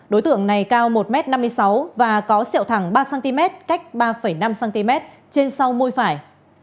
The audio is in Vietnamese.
đối tượng này cao một m năm mươi sáu và có sẹo thẳng ba cm cách ba năm cm trên sau môi phải